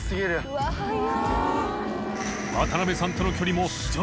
うわっ速い！